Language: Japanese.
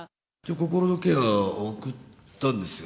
心のケア送ったんですよ。